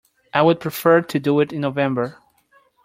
I would prefer to do it in November.